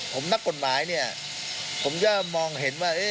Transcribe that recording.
ผมนักกฎหมายจะมองเห็นว่า